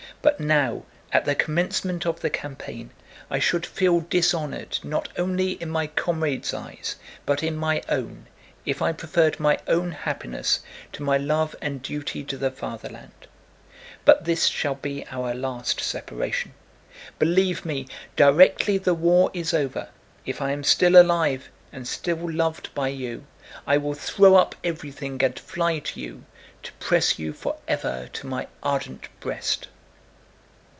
But now, at the commencement of the campaign, I should feel dishonored, not only in my comrades' eyes but in my own, if I preferred my own happiness to my love and duty to the Fatherland. But this shall be our last separation. Believe me, directly the war is over, if I am still alive and still loved by you, I will throw up everything and fly to you, to press you forever to my ardent breast."